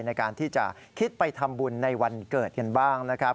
ในการที่จะคิดไปทำบุญในวันเกิดกันบ้างนะครับ